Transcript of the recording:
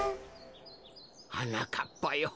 はなかっぱよ。